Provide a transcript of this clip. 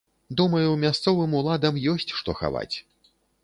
Думаю, мясцовым уладам ёсць што хаваць.